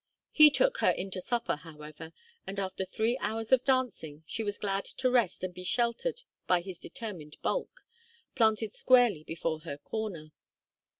He took her in to supper, however, and after three hours of dancing she was glad to rest and be sheltered by his determined bulk, planted squarely before her corner.